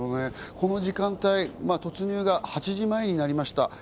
この時間帯、突入が８時前になりました。